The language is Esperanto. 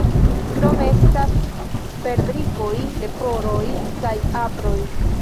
Krome estas perdrikoj, leporoj kaj aproj.